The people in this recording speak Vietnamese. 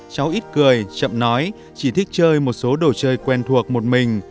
cháu ít cười chậm nói chỉ thích chơi một số đồ chơi quen thuộc một mình